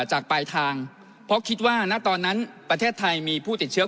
จากปลายทางเพราะคิดว่าณตอนนั้นประเทศไทยมีผู้ติดเชื้อ